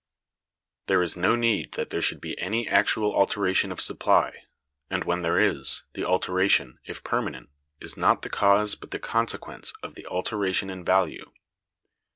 There is no need that there should be any actual alteration of supply; and when there is, the alteration, if permanent, is not the cause but the consequence of the alteration in value.